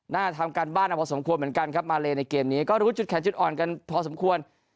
น่าทำการบ้านเอาพอสมควรเหมือนกันครับมาเลในเกมนี้ก็รู้จุดแขนจุดอ่อนกันพอสมควร